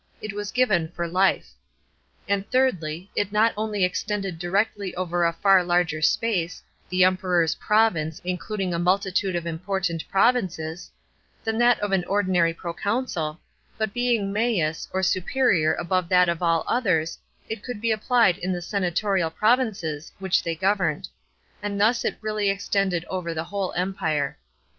It was given for life. And thirdly, it not only extended directly over a far larger space — the Emperor's " province " including a multitude of important provinces — than that of an ordinary proconsul, but being mains or superior above that of all others, it could be applied in the senatorial provinces which they governed ; and thus it really extended over the whole empire.